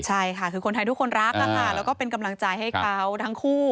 ใช่ค่ะคือคนไทยทุกคนรักแล้วก็เป็นกำลังใจให้เขาทั้งคู่